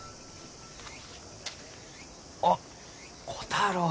あっ虎太郎。